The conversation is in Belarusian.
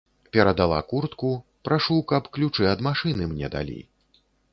Перадала куртку, прашу, каб ключы ад машыны мне далі.